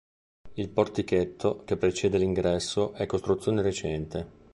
Il portichetto che precede l'ingresso è costruzione recente.